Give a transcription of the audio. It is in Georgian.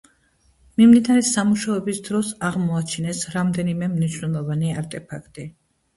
მიმდინარე სამუშაოების დროს აღმოაჩინეს რამდენიმე მნიშვნელოვანი არტეფაქტი.